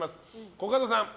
コカドさん